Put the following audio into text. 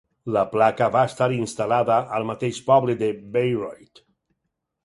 La placa va estar instal·lada al mateix poble de Bayreuth.